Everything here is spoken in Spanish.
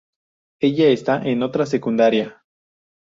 Ella está en otra secundaria.